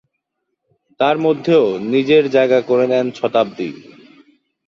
তার মধ্যেও নিজের জায়গা করে নেন শতাব্দী।